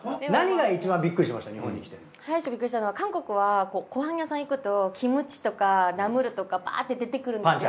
最初びっくりしたのは韓国はごはん屋さん行くとキムチとかナムルとかバーって出てくるんですよ。